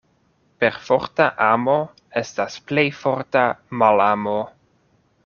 Perforta amo estas plej forta malamo.